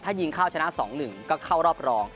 ถ้ายิงเข้าชนะ๒๑ก็เข้ารอบรอง